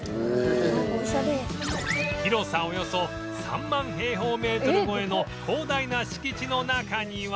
「オシャレ」広さおよそ３万平方メートル超えの広大な敷地の中には